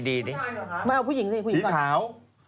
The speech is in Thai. สีขาว